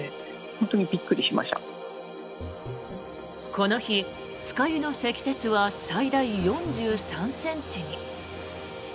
この日、酸ケ湯の積雪は最大４３ｃｍに。